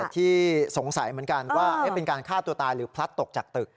ที่สงสัยเหมือนกันว่าเป็นการฆ่าตัวตายหรือพลัดตกจากตึก